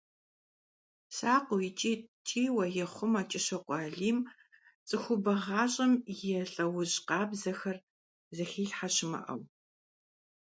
Сакъыу икӀи ткӀийуэ ехъумэ КӀыщокъуэ Алим цӀыхубэ гъащӀэм и лӀэужь къабзэхэр, зыхилъхьэ щымыӀэу.